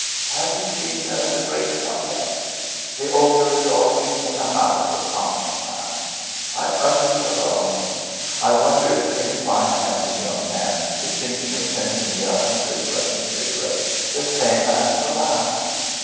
"_Have you seen the Great One yet? ... The Ogre is always in the House of Commons now ... I am utterly alone ... I wonder if any fine, handsome young man is thinking of sending me a hundred Russian cigarettes, the same as the last....